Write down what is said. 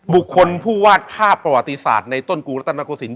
บุคคลผู้วาดภาพประวัติศาสตร์ในต้นกรุงรัฐนาโกศิลป